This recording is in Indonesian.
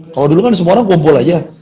kalau dulu kan semua orang kumpul aja